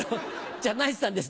じゃあナイツさんです